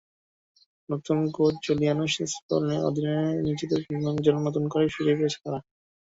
নতুন coach Giuliano স্প্যালেত্তির অধীনে নিজেদের যেন নতুন করে ফিরে পেয়েছে তারা।